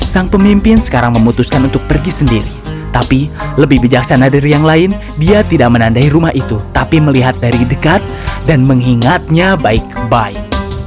sang pemimpin sekarang memutuskan untuk pergi sendiri tapi lebih bijaksana dari yang lain dia tidak menandai rumah itu tapi melihat dari dekat dan mengingatnya baik baik